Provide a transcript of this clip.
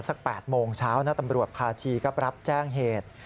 สัก๘โมงเช้านะตำรวจภาชีก็รับแจ้งเหตุ